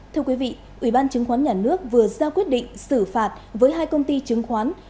thưa quý vị ủy ban chứng khoán nhà nước vừa ra quyết định xử phạt với hai công ty chứng khoán